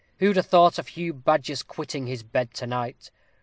who'd 'a' thought of Hugh Badger's quitting his bed to night?